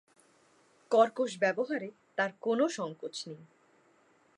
কর্কশ ব্যবহারে তার কোনো সংকোচ নেই।